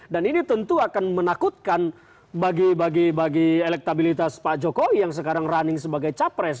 dan ini tentu akan menakutkan bagi bagi elektabilitas pak jokowi yang sekarang running sebagai capres